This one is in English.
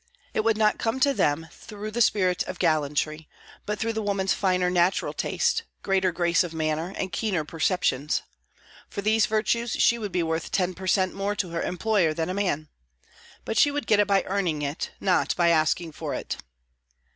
It would not come to them through a spirit of gallantry, but through the woman's finer natural taste, greater grace of manner, and keener perceptions. For these virtues she would be worth ten per cent. more to her employer than a man. But she would get it by earning it, not by asking for it.